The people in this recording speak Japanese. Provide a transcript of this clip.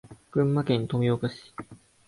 群馬県富岡市